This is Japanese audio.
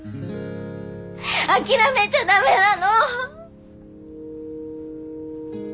諦めちゃダメなの！